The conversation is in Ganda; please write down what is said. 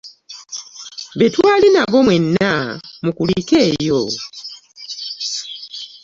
Be twali nabo mwenna mukulikeeyo.